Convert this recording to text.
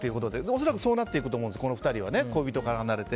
恐らくそうなっていくと思うんです、２人は恋人から離れて。